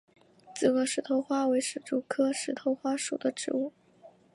紫萼石头花为石竹科石头花属的植物。